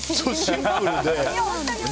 シンプルで。